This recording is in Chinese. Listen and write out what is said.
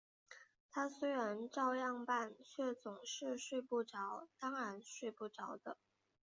他虽然照样办，却总是睡不着，当然睡不着的